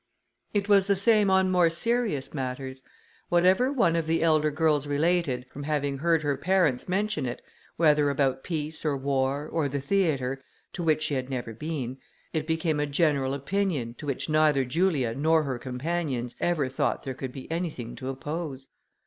It was the same on more serious matters: whatever one of the elder girls related, from having heard her parents mention it, whether about peace or war, or the theatre, to which she had never been, it became a general opinion, to which neither Julia nor her companions ever thought there could be anything to oppose.